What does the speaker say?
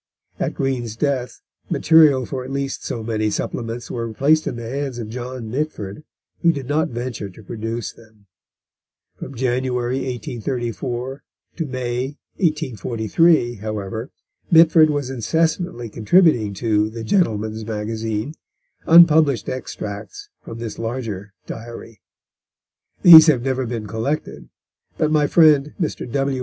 At Green's death material for at least so many supplements were placed in the hands of John Mitford, who did not venture to produce them. From January 1834 to May 1843, however, Mitford was incessantly contributing to The Gentleman's Magazine unpublished extracts from this larger Diary. These have never been collected, but my friend, Mr. W.